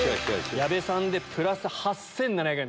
矢部さんでプラス８７００円。